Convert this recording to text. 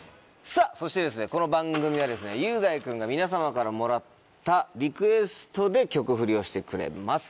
さぁそしてこの番組は雄大君が皆さまからもらったリクエストで曲フリをしてくれます。